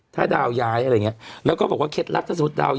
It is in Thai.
ถ้าดาวย้ายอะไรอย่างเงี้ยแล้วก็บอกว่าเคล็ดลับถ้าสมมุติดาว